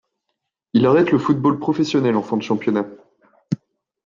Il arrête le football professionnel en fin de championnat.